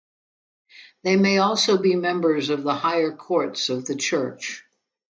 They may also be members of the higher courts of the church.